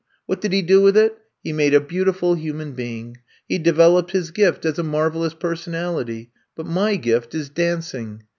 What did he do with it! He made a beautiful human being. He de veloped his gift as a marvelous personality. But my gift is dancing.